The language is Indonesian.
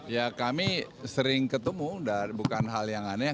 ya kami sering ketemu bukan hal yang aneh